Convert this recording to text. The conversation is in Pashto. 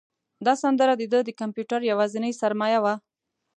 دا سندره د ده د کمپیوټر یوازینۍ سرمایه وه.